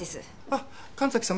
あっ神崎様